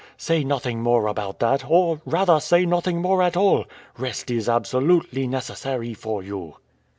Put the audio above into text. Say nothing more about that, or rather, say nothing more at all. Rest is absolutely necessary for you."